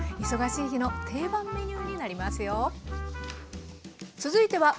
忙しい日の定番メニューになりますよ。